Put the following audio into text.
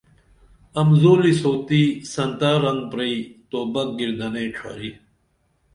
امزولی سوتی سنتا رنگ پرئی توبک گِردانئی ڇھاری